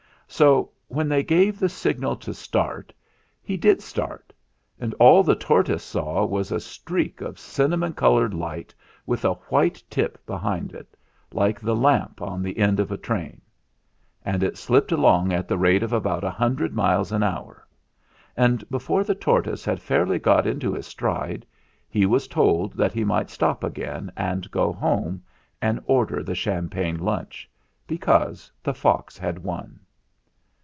So when they gave the signal to start he did start; and all the tortoise saw was a streak of cinnamon coloured light with a white tip behind, like the lamp on the end of a train. It slipped along at the rate of about a hundred miles an hour; and before the tortoise had 152 THE FLINT HEART fairly got into his stride, he was told that he might stop again and go home and order the champagne lunch, because the fox had won.